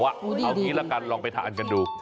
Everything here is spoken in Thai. เอางี้ละกันลองไปทานกันดู